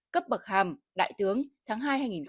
cấp bậc hàm đại tướng tháng hai hai nghìn một mươi chín